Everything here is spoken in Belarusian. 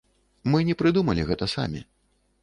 Мы не прыдумалі гэта самі.